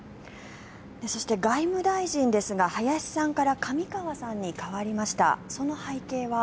そして、外務大臣ですが林さんから上川さんに代わりました。